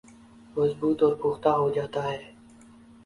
مضبوط اور پختہ ہوجاتا ہے